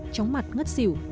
chóng mặt ngất xỉu